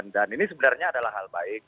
dan ini sebenarnya adalah hal baik